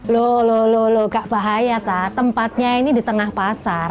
loh loh loh loh kak bahaya tempatnya ini di tengah pasar